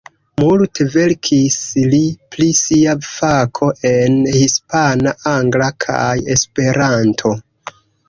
Multe verkis li pri sia fako en hispana, angla kaj esperanto.